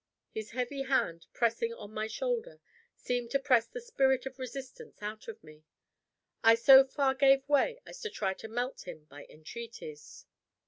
His heavy hand, pressing on my shoulder, seemed to press the spirit of resistance out of me. I so far gave way as to try to melt him by entreaties.